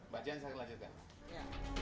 bajian saya lanjutkan